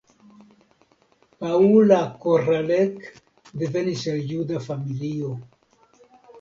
Paula Koralek devenis el juda familio.